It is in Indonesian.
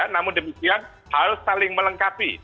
namun demikian harus saling melengkapi